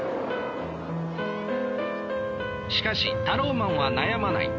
しかしタローマンは悩まない。